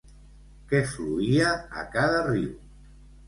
Què fluïa a cada riu?